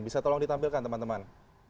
bisa tolong ditampilkan teman teman